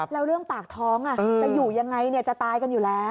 แล้วเรื่องปากท้องจะอยู่ยังไงจะตายกันอยู่แล้ว